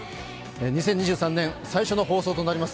２０２３年最初の放送となります。